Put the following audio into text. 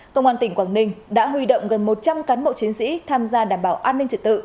công an tỉnh quảng ninh đã huy động gần một trăm linh cán bộ chiến sĩ tham gia đảm bảo an ninh trật tự